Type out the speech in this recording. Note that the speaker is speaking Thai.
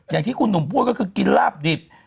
อย่างที่คุณหนุ่มพูดก็คือกินลาบดิบ